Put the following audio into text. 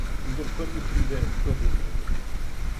Kdor prvi pride, prvi melje.